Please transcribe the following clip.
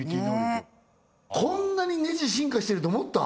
こんなにネジ進化してると思った？